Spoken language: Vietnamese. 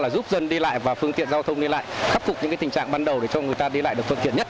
giúp dân đi lại và phương tiện giao thông đi lại khắc phục những tình trạng ban đầu để cho người ta đi lại được thuận tiện nhất